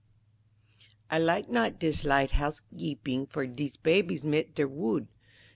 "I like not dis light housegeeping for dese babies mit der wood.